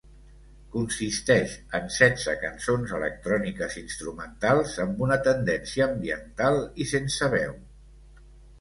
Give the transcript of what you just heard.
Consisteix en setze cançons electròniques instrumentals amb una tendència ambiental i sense veu.